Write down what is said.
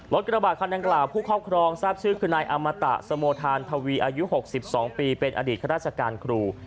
กระบาดคันดังกล่าวผู้ครอบครองทราบชื่อคือนายอมตะสโมทานทวีอายุ๖๒ปีเป็นอดีตข้าราชการครู